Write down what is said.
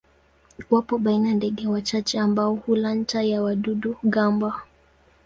Wapo baina ndege wachache ambao hula nta ya wadudu-gamba.